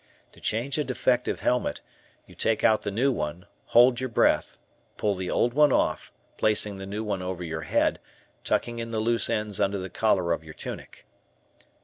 To change a defective helmet, you take out the new one, hold your breath, pull the old one off, placing the new one over your head, tucking in the loose ends under the collar of your tunic.